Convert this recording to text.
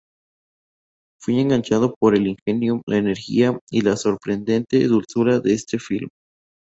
Fui enganchado por el ingenio, la energía y la sorprendente dulzura de este film.